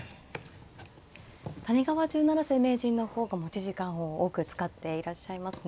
谷川十七世名人の方が持ち時間を多く使っていらっしゃいますね。